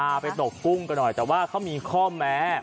ไปตกกุ้งกันหน่อยแต่ว่าเขามีข้อแม้